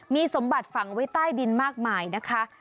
มีสมบัติฝังไว้ใต้ดินมากมายนะคะ